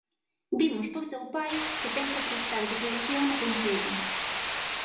_Vimos por teu pai, que ten que prestar declaración no concello.